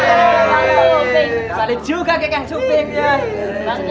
pesanin juga kayak kang suping ya